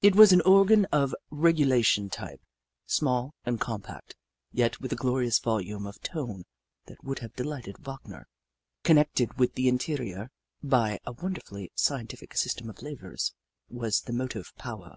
It was an organ of the regulation type, small and compact, yet with a glorious volume of tone that would have delighted Wagner. Connected with the interior by a wonderfully scientific system of levers, was the motive power.